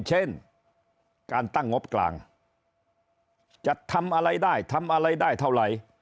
เช่นการตั้งงบกลางจะทำอะไรได้ทำอะไรได้เท่าไหร่